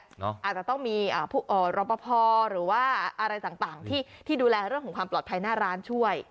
อาจจะต้องมีรอปภหรือว่าอะไรต่างที่ดูแลเรื่องของความปลอดภัยหน้าร้านช่วย